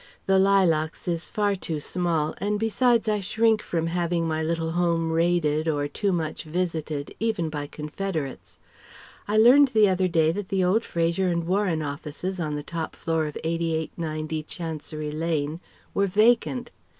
"The Lilacs" is far too small, and besides I shrink from having my little home raided or too much visited even by confederates. I learned the other day that the old Fraser and Warren offices on the top floor of 88 90 Chancery Lane were vacant.